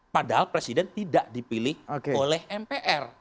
padahal presiden tidak dipilih oleh mpr